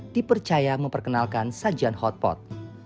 dipercaya memperkenalkan sajian hotpot